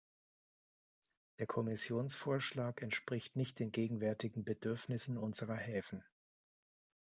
Der Kommissionsvorschlag entspricht nicht den gegenwärtigen Bedürfnissen unserer Häfen.